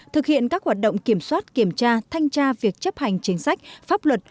thực hiện các hoạt động kiểm soát kiểm tra thanh tra việc chấp hành chính sách pháp luật